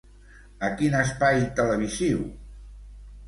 A quin espai televisiu?